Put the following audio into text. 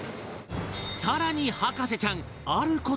更に博士ちゃん